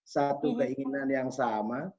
satu keinginan yang sama